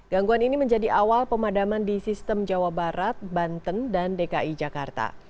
gangguan ini menjadi awal pemadaman di sistem jawa barat banten dan dki jakarta